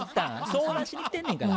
相談しに来てんねんから。